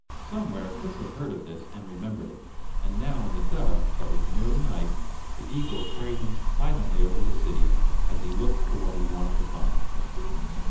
Somewhere, Chris had heard of this and remembered it, and now in the dusk that was nearly night, the eagle carried him silently over the city as he looked for what he wanted to find.